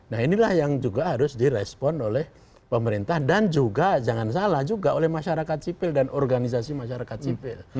nah inilah yang juga harus direspon oleh pemerintah dan juga jangan salah juga oleh masyarakat sipil dan organisasi masyarakat sipil